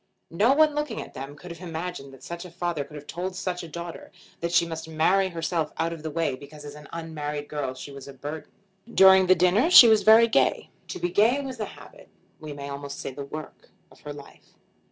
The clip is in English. No one looking at them could have imagined that such a father could have told such a daughter that she must marry herself out of the way because as an unmarried girl she was a burden. During the dinner she was very gay. To be gay was the habit, we may almost say the work, of her life.